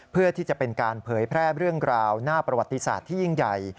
เพื่อที่จะเป็นการเผยแพร่เรื่องราวหน้าประวัติศาสตร์ที่ยิ่งใหญ่